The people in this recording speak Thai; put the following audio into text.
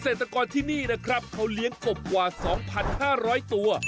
เกษตรกรที่นี่นะครับเขาเลี้ยงกบกว่า๒๕๐๐ตัว